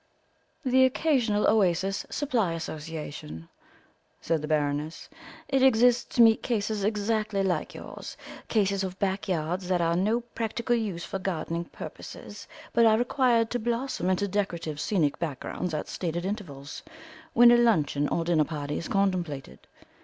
"The Occasional Oasis Supply Association," said the Baroness; "it exists to meet cases exactly like yours, cases of backyards that are of no practical use for gardening purposes, but are required to blossom into decorative scenic backgrounds at stated intervals, when a luncheon or dinner party is contemplated.